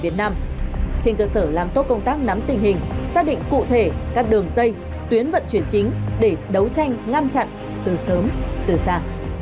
trên cơ sở làm tốt công tác nắm tình hình xác định cụ thể các đường dây tuyến vận chuyển chính để đấu tranh ngăn chặn từ sớm từ xa